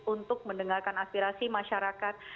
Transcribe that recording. untuk mendengarkan aspirasi masyarakat